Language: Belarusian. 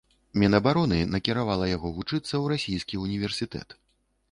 Мінабароны накіравала яго вучыцца ў расійскі ўніверсітэт.